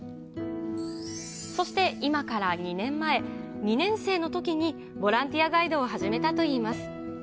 そして今から２年前、２年生のときにボランティアガイドを始めたといいます。